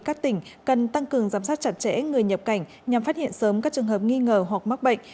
các tỉnh cần tăng cường giám sát chặt chẽ người nhập cảnh nhằm phát hiện sớm các trường hợp nghi ngờ hoặc mắc bệnh